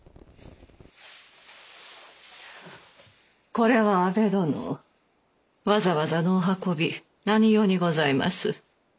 これは安部殿わざわざのお運び何用にございます？